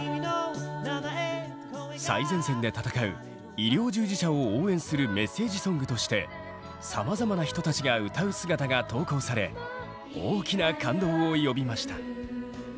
最前線で戦う医療従事者を応援するメッセージソングとしてさまざまな人たちが歌う姿が投稿され大きな感動を呼びました。